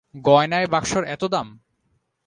গয়নায় বাক্সর এত দাম?